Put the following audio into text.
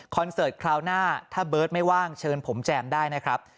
เสิร์ตคราวหน้าถ้าเบิร์ตไม่ว่างเชิญผมแจมได้นะครับ